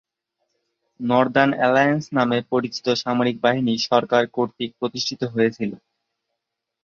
Northern Alliance নামে পরিচিত সামরিক বাহিনী সরকার কর্তৃক প্রতিষ্ঠিত হয়েছিল।